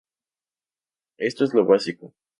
Esto es lo básico.